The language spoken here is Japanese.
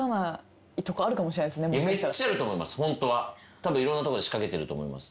たぶんいろんなとこで仕掛けてると思います。